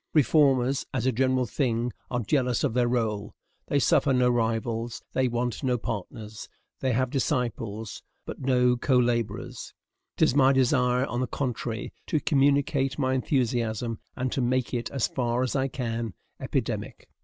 Reformers, as a general thing, are jealous of their role; they suffer no rivals, they want no partners; they have disciples, but no co laborers. It is my desire, on the contrary, to communicate my enthusiasm, and to make it, as far as I can, epidemic.